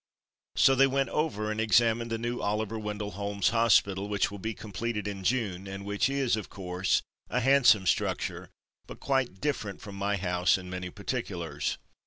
So they went over and examined the new Oliver Wendell Holmes Hospital, which will be completed in June and which is, of course, a handsome structure, but quite different from my house in many particulars.